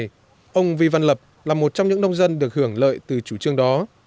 trước tình hình này ông vy văn lập là một trong những nông dân được hưởng lợi từ chủ trương đó